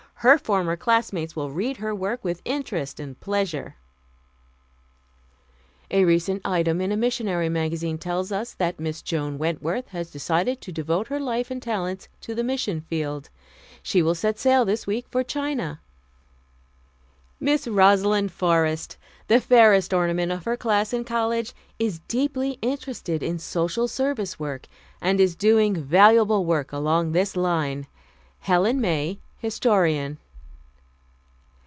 Her former classmates will read her work with interest and pleasure." "A recent item in a missionary magazine tells us that Miss Joan Wentworth has decided to devote her life and talents to the missionfield. She will sail this week for China." "Miss Rosalind Forrest, the fairest ornament of her class in college, is deeply interested in Social Service work, and is doing valuable work along this line." "Helen May, Historian."